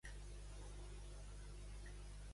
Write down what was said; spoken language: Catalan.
Quan va vèncer el franquisme a la milícia republicana?